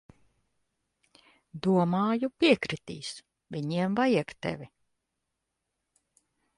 Domāju, piekritīs. Viņiem vajag tevi.